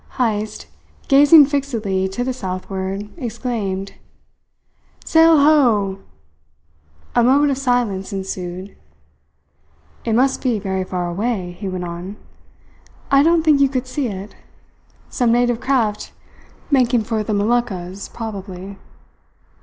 Heyst, gazing fixedly to the southward, exclaimed: "Sail ho!" A moment of silence ensued. "It must be very far away," he went on. "I don't think you could see it. Some native craft making for the Moluccas, probably.